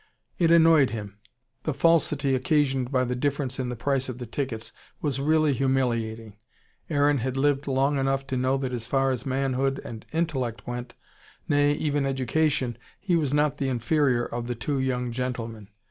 It annoyed him. The falsity occasioned by the difference in the price of the tickets was really humiliating. Aaron had lived long enough to know that as far as manhood and intellect went nay, even education he was not the inferior of the two young "gentlemen."